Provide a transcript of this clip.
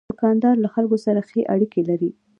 دوکاندار له خلکو سره ښې اړیکې لري.